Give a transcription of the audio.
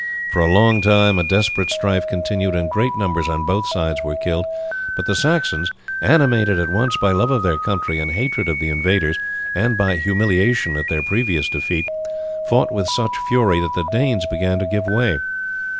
For a long time a desperate strife continued and great numbers on both sides were killed; but the Saxons, animated at once by love of their country and hatred of the invaders and by humiliation at their previous defeat, fought with such fury that the Danes began to give way.